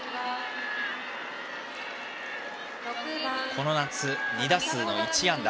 この夏、２打数１安打。